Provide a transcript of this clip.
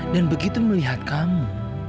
dan begitu melihat kamu